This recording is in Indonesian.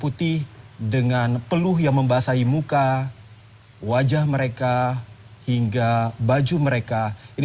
undangan dimohon berdiri